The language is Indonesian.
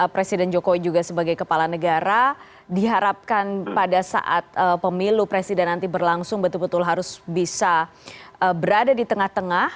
presiden jokowi juga sebagai kepala negara diharapkan pada saat pemilu presiden nanti berlangsung betul betul harus bisa berada di tengah tengah